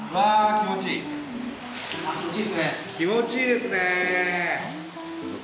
気持ちいいですね。